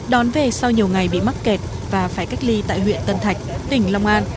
đón về sau nhiều ngày bị mắc kẹt và phải cách ly tại huyện tân thạch tỉnh long an